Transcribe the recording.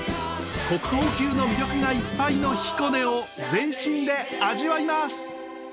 国宝級の魅力がいっぱいの彦根を全身で味わいます。